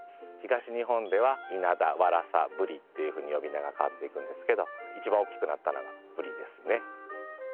東日本ではイナダワラサブリっていうふうに呼び名が変わっていくんですけど一番大きくなったのがブリですね